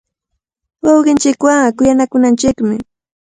Wawqinchikwanqa kuyanakunanchikmi.